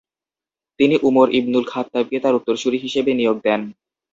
তিনি উমর ইবনুল খাত্তাবকে তার উত্তরসূরি হিসেবে নিয়োগ দেন।